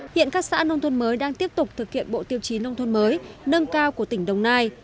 hiện các xã nông thôn mới đang tiếp tục thực hiện bộ tiêu chí nông thôn mới nâng cao của tỉnh đồng nai